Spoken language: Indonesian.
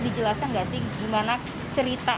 dijelaskan tidak sih bagaimana cerita